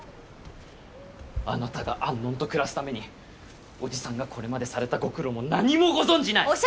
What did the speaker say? あなたが安穏と暮らすために叔父さんがこれまでされたご苦労も何もご存じない。